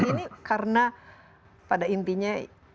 ini karena pada intinya